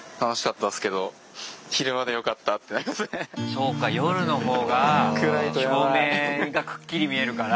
そうか夜のほうが照明がくっきり見えるから。